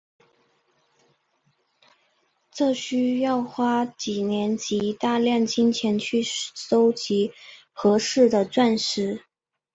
这需要花几年及大量金钱去收集合适的钻石。